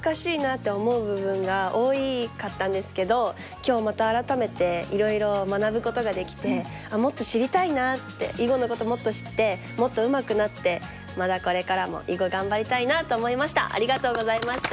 今日また改めていろいろ学ぶことができてもっと知りたいなって囲碁のこともっと知ってもっとうまくなってまだこれからもありがとうございました。